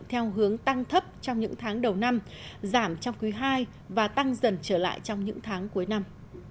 theo hướng tăng thấp trong những tháng đầu năm giảm trong quý ii và tăng dần trở lại trong những tháng cuối năm